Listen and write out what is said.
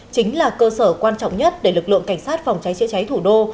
chính là cơ sở quan trọng nhất để lực lượng cảnh sát phòng cháy chữa cháy thủ đô